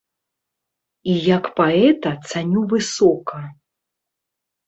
І як паэта цаню высока.